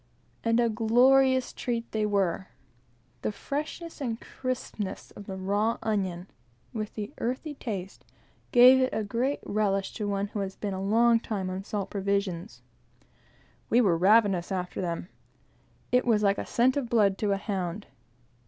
And a glorious treat they were. The freshness and crispness of the raw onion, with the earthy taste, give it a great relish to one who has been a long time on salt provisions. We were perfectly ravenous after them. It was like a scent of blood to a hound.